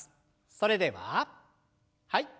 それでははい。